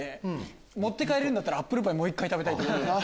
持って帰れるんだったらアップルパイもう一回食べたい。